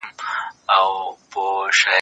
دفاع وزارت هوایي حریم نه بندوي.